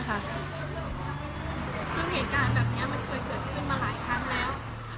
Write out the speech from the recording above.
ซึ่งเหตุการณ์แบบนี้มันเคยเกิดขึ้นมาหลายครั้งแล้ว